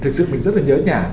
thực sự mình rất là nhớ nhà